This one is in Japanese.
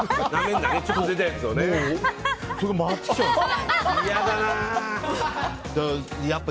それが回ってきちゃうんだって。